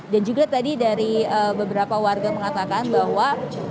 dan juga tadi dari beberapa warga mengatakan bahwa